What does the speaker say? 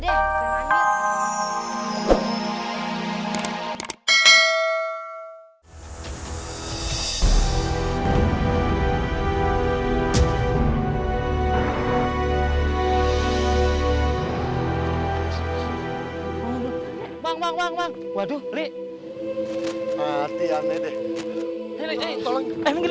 menggiri menggiri menggiri menggiri menggiri menggiri menggiri